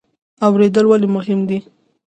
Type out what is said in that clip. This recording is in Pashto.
اوریدل ولې مهم دي؟